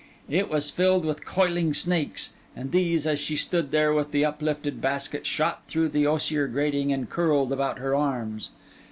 It was filled with coiling snakes; and these, as she stood there with the uplifted basket, shot through the osier grating and curled about her arms.